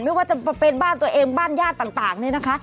ไม่ว่าจะเป็นบ้านตัวเองบ้านญาติต่างนี่นะคะ